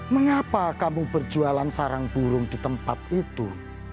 mengapa kamu berjualan sarang burung di tempat itu